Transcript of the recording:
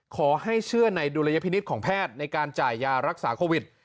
ขอให้เชื่อในดุลยพินิษฐ์ของแพทย์ในการจ่ายยารักษาโควิด